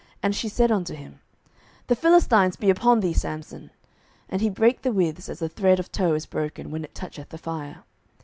And she said unto him, The Philistines be upon thee, Samson. And he brake the withs, as a thread of tow is broken when it toucheth the fire.